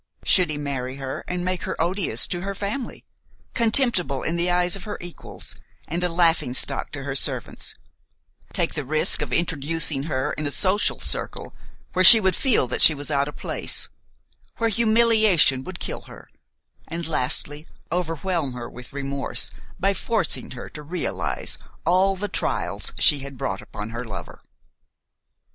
Should he marry her and make her odious to her family, contemptible in the eyes of her equals, and a laughing stock to her servants; take the risk of introducing her in a social circle where she would feel that she was out of place; where humiliation would kill her; and, lastly, overwhelm her with remorse by forcing her to realize all the trials she had brought upon her lover?